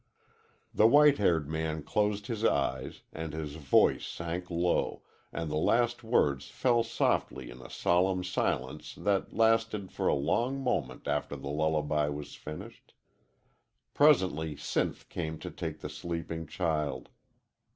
The white haired man closed his eyes and his voice sank low, and the last words fell softly in a solemn silence that lasted for a long moment after the lullaby was finished. Presently Sinth came to take the sleeping child.